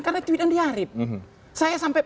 karena tweet andi harip saya sampai